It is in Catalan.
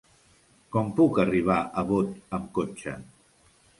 Com puc arribar a Bot amb cotxe?